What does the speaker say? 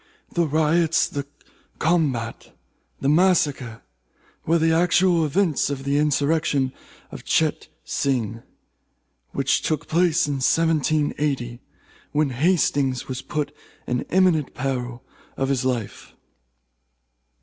The riots, the combat, the massacre, were the actual events of the insurrection of Cheyte Sing, which took place in 1780, when Hastings was put in imminent peril of his life.